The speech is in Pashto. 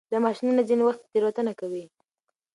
دا ماشینونه ځینې وخت تېروتنه کوي.